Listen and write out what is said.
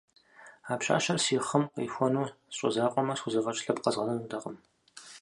А пщащэр си хъым къихуэну сщӀэ закъуэмэ, схузэфӀэкӀ лъэпкъ къэзгъэнэнутэкъым.